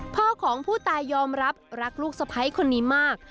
พ่อของผู้ตายยอมรับรักลูกสะพ้ายคนนี้มาก